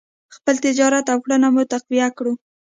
خپل تجارت او کرنه مو تقویه کړو.